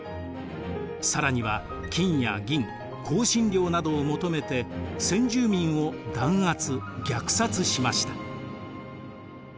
更には金や銀香辛料などを求めて先住民を弾圧虐殺しました。